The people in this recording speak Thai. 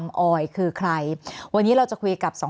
แอนตาซินเยลโรคกระเพาะอาหารท้องอืดจุกเสียดแสบร้อน